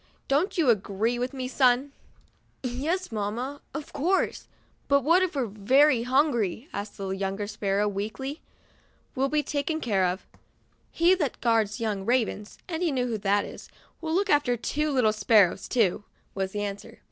Don't you agree with me, son ?' "Yes, mamma, of course; but what if we're very hungry?" asked the younger sparrow, weakly. " We'll be taken care of. He that guards the young ravens — and you know Who that is — will look after two little sparrows, too," was the answer.